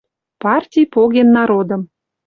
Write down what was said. Партий поген народым.